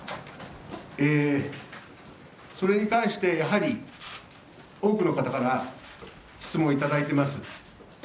それに関して、やはり多くの方から質問をいただいています。